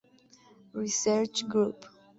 Research Group.